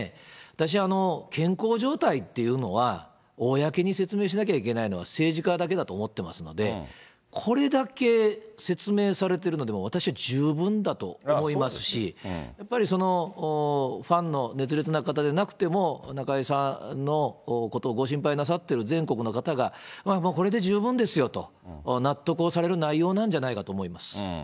私、健康状態っていうのは、公に説明しなきゃいけないのは、政治家だけだと思ってますので、これだけ説明されているのでも、私は十分だと思いますし、やっぱりファンの熱烈な方でなくても、中居さんのことをご心配なさっている全国の方が、これで十分ですよと納得をされる内容なんじゃないかと思います。